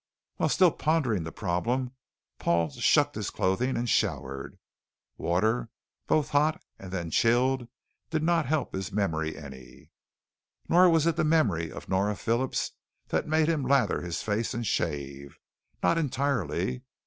While still pondering the problem, Paul shucked his clothing and showered. Water, both hot and then chilled, did not help his memory any. Nor was it the memory of Nora Phillips that made him lather his face and shave. Not entirely.